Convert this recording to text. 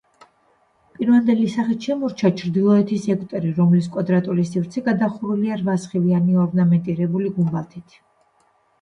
პირვანდელი სახით შემორჩა ჩრდილოეთის ეგვტერი, რომლის კვადრატული სივრცე გადახურულია რვა სხივიანი ორნამენტირებული გუმბათით.